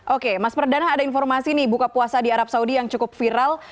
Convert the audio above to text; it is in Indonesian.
oke mas perdana ada informasi nih buka puasa di arab saudi yang cukup viral